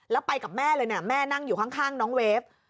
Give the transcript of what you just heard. แล้วไปกับแม่เลยเนี่ยแม่นั่งอยู่ข้างน้องเวฟ